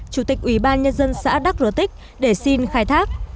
chủ tịch ủy ban nhân dân xã đắc routine để xin khai thác